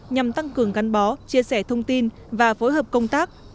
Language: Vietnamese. nhằm tăng cường gắn bó chia sẻ thông tin và phối hợp công tác